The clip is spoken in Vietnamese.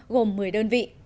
gồm một mươi đơn vị